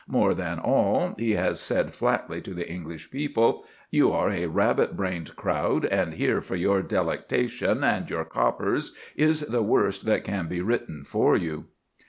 More than all, he has said flatly to the English people, "You are a rabbit brained crowd, and here for your delectation and your coppers is the worst that can be written for you."